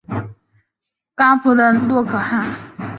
阿波可汗和达头可汗不断攻击沙钵略可汗。